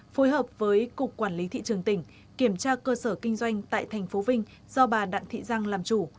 phối hợp với cục quản lý thị trường tỉnh kiểm tra cơ sở kinh doanh tại tp vinh do bà đặng thị giang làm chủ